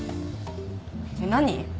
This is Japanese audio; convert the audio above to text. えっ何？